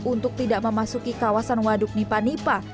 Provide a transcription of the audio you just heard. untuk tidak memasuki kawasan waduk nipa nipa